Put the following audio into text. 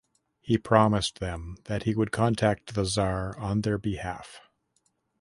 He promised them that he would contact the tsar on their behalf.